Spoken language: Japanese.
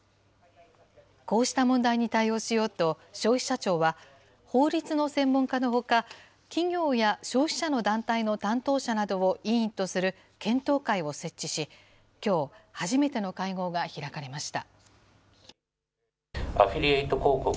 こうした問題に対応しようと、消費者庁は、法律の専門家のほか、企業や消費者の団体の担当者などを委員とする検討会を設置し、きょう、初めての会合が開かれました。